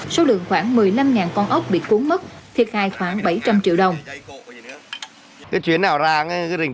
số lượng khoảng một mươi năm con ốc bị cuốn mất thiệt hại khoảng bảy trăm linh triệu đồng